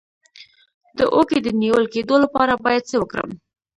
د اوږې د نیول کیدو لپاره باید څه وکړم؟